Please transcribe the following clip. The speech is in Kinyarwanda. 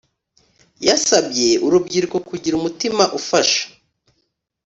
yasabye urubyiruko kugira umutima ufasha